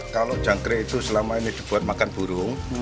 kalau jangkrik itu selama ini dibuat makan burung